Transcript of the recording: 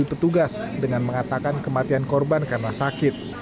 petugas dengan mengatakan kematian korban karena sakit